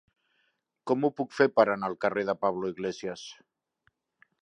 Com ho puc fer per anar al carrer de Pablo Iglesias?